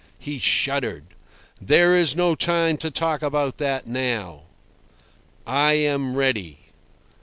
He shuddered. "There is no time to talk about that now." "I am ready."